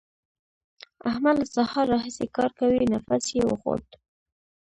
احمد له سهار راهسې کار کوي؛ نفس يې وخوت.